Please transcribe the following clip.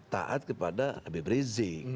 taat kepada habib rizik